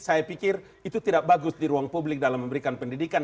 saya pikir itu tidak bagus di ruang publik dalam memberikan pendidikan